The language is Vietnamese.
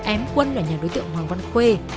em quân là nhà đối tượng hoàng văn khuê